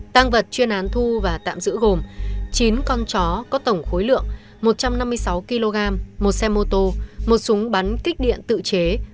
tăng vật chuyên án thu và tạm giữ gồm chín con chó có tổng khối lượng một trăm năm mươi sáu kg một xe mô tô một súng bắn kích điện tự chế